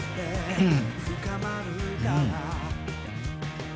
うん。